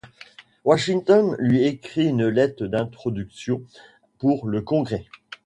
Washington lui écrit une lettre d’introduction pour le congrès.